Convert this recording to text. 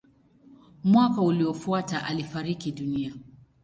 Mwaka uliofuata alifariki dunia.